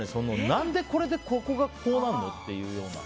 何でこれで、ここがこうなるの？っていうような。